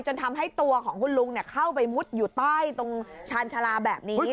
จนทำให้ตัวของคุณลุงเข้าไปมุดอยู่ใต้ตรงชาญชาลาแบบนี้